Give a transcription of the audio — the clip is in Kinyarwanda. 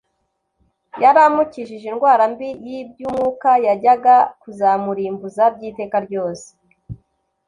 yari amukijije indwara mbi y'iby'umwuka yajyaga kuzamurimbuza by'iteka ryose.